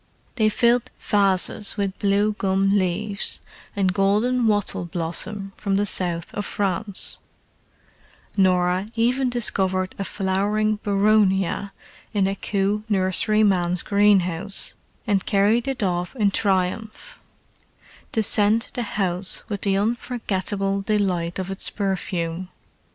They filled vases with blue gum leaves and golden wattle blossom from the South of France: Norah even discovered a flowering boronia in a Kew nurseryman's greenhouse and carried it off in triumph, to scent the house with the unforgettable delight of its perfume.